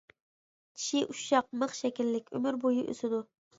چىشى ئۇششاق، مىخ شەكىللىك، ئۆمۈر بويى ئۆسىدۇ.